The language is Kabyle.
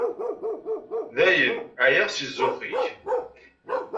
Dayen, ɛyiɣ si zzux-ik.